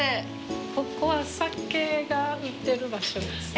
ここは酒が売ってる場所ですか？